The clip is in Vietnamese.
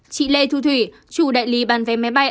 chị lê thu thủy chủ đại lý bán vé máy bay